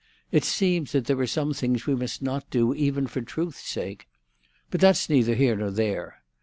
It seems that there are some things we must not do even for the truth's sake. But that's neither here nor there.